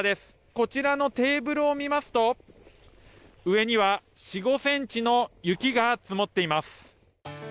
こちらのテーブルを見ますと、上には４、５センチの雪が積もっています。